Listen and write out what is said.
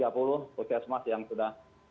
puskesmas yang sudah